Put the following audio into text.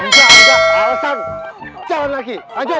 enggak alasan jalan lagi lanjut